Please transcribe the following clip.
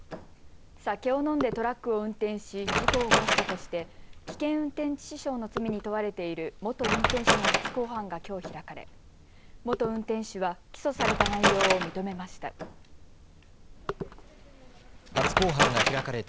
酒を飲んでトラックを運転し事故を起こしたとして危険運転致死傷の罪に問われている元運転手の初公判がきょう開かれ元運転手は起訴された内容を認めました。